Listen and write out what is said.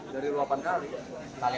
dari ruapan kali